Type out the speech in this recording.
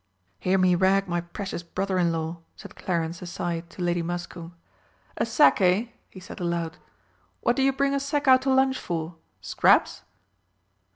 "Hear me rag my precious brother in law," said Clarence aside to Lady Muscombe. "A sack, eh?" he said aloud. "What do you bring a sack out to lunch for scraps?"